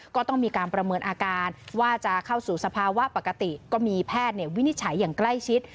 ก็ต้องมีการประเมินอาการว่าจะเข้าสู่สภาวะปกติก็มีแพทย์วินิจฉัยอย่างใกล้ชิด